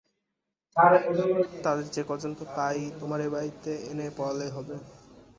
তাদের যে-কজনকে পাই তোমার এই বাড়িতে এনে পড়ালেই হবে।